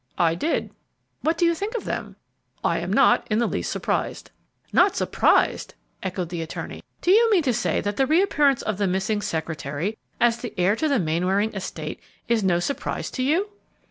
"I did." "What do you think of them?" "I am not in the least surprised." "Not surprised!" echoed the attorney. "Do you mean to say that the reappearance of the missing secretary as the heir to the Mainwaring estate is no surprise to you?"